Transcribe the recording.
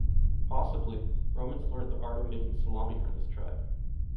Possibly, Romans learnt the art of making salami from this tribe.